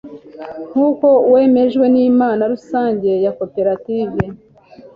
nkuko wemejwe n'inama rusange ya koperative